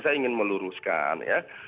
saya ingin meluruskan